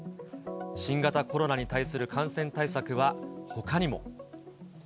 新型コロナに対する感染対策はほかにも。